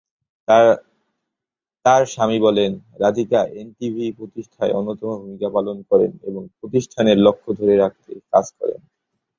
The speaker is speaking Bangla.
তার স্বামী বলেন, "রাধিকা এনডিটিভি প্রতিষ্ঠায় অন্যতম ভূমিকা পালন করেন এবং প্রতিষ্ঠানের লক্ষ্য ধরে রাখতে কাজ করেন।"